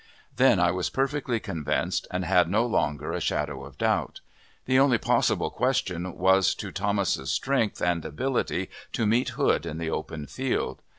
Then I was perfectly convinced, and had no longer a shadow of doubt. The only possible question was as to Thomas's strength and ability to meet Hood in the open field.